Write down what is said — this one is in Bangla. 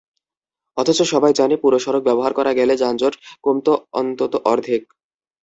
অথচ সবাই জানে পুরো সড়ক ব্যবহার করা গেলে যানজট কমত অন্তত অর্ধেক।